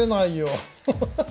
ハハハッ。